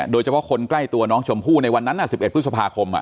โดยเฉพาะคนใกล้ตัวน้องชมพู่ในวันนั้น๑๑พฤษภาคม